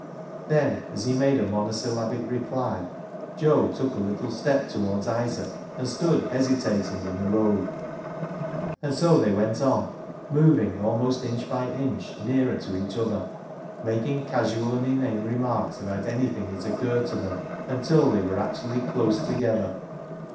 Then, as he made a monosyllabic reply, Joe took a little step towards Isaac, and stood hesitating in the road. And so they went on, moving almost inch by inch nearer to each other, making casual and inane remarks about anything that occurred to them, until they were actually close together.